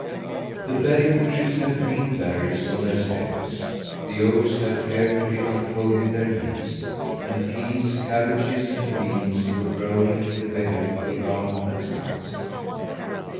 The berry bushes had green berries on their stems; the oaks had carefully unfolded their leaves, and peas, cabbages, and beans were growing in the vegetable garden at Skansen.